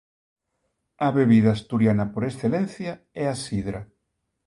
A bebida asturiana por excelencia é a sidra.